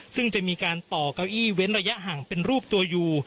ซึ่งจะมีการต่อเก้าอี้เว้นระยะห่างเป็นรูปตัวอยู่